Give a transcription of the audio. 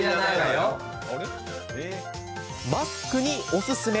マスクにおすすめ。